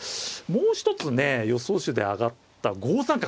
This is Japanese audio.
もう一つね予想手で挙がった５三角。